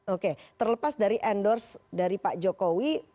oke terlepas dari endorse dari pak jokowi